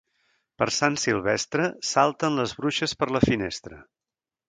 Per Sant Silvestre salten les bruixes per la finestra.